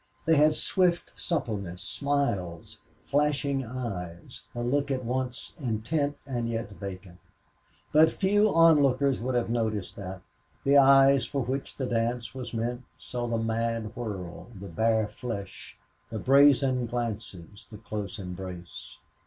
They had swift suppleness, smiles, flashing eyes, a look at once intent and yet vacant. But few onlookers would have noticed that. The eyes for which the dance was meant saw the mad whirl, the bare flesh, the brazen glances, the close embrace.